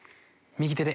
右手で。